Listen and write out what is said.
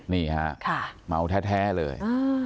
นี่ค่ะมาเอาแท้เลย